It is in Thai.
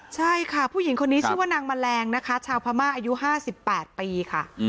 ใช่ค่ะผู้หญิงคนนี้ชื่อว่านางแมลงนะคะชาวพม่าอายุ๕๘ปีค่ะ